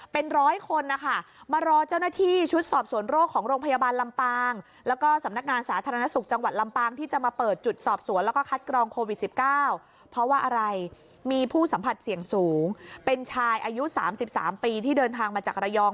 เป็นชายอายุ๓๓ปีที่เดินทางมาจากระยอง